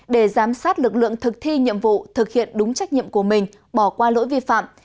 để giám sát lực lượng thực thi nhiệm vụ thực hiện đúng trách nhiệm của mình bỏ qua lỗi vi phạm